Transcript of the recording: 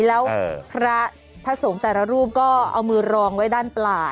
แล้วพระพระสงฆ์แต่ละรูปก็เอามือรองไว้ด้านปลา